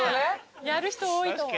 やる人多いと思う。